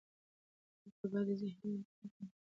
په کور کې باید د ذهني ارامتیا لپاره تمرین وشي.